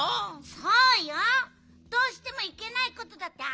そうよ。どうしてもいけないことだってあるでしょ。